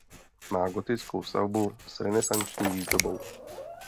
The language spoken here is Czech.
Má gotickou stavbu s renesanční výzdobou.